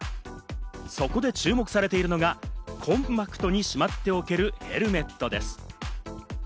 そこで注目されているのが、コンパクトにしまっておけるヘルメットです。